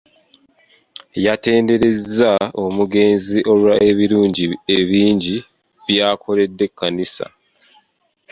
Yatenderezza omugenzi olw'ebirungi ebingi by’akoledde ekkanisa.